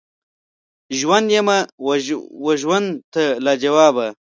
ژوند یمه وژوند ته لاجواب یمه